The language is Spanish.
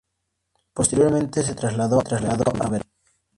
Posteriormente se trasladó a Veracruz.